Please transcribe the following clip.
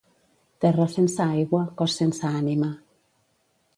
Terra sense aigua, cos sense ànima.